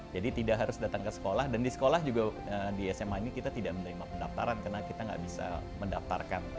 jadi tidak harus datang ke sekolah dan di sekolah juga di sma ini kita tidak menerima pendaftaran karena kita tidak bisa mendaftarkan